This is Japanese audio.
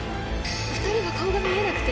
２人は顔が見えなくて。